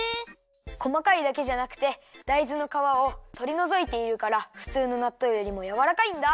こまかいだけじゃなくてだいずのかわをとりのぞいているからふつうのなっとうよりもやわらかいんだ！